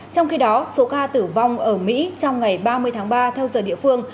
trong khi đó số ca tử vong ở mỹ trong ngày ba mươi tháng ba theo giờ địa phương